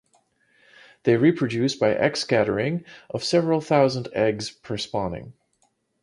They reproduce by egg scattering of several thousand eggs per spawning.